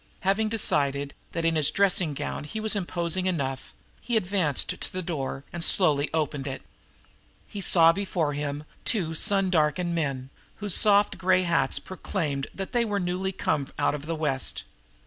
Having decided that, in his long dressing gown, he was imposing enough, he advanced to the door and slowly opened it. He saw before him two sun darkened men whose soft gray hats proclaimed that they were newly come out of the West.